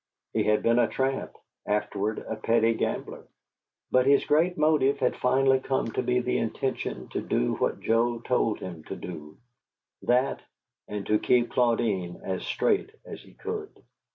He had been a tramp, afterward a petty gambler; but his great motive had finally come to be the intention to do what Joe told him to do: that, and to keep Claudine as straight as he could.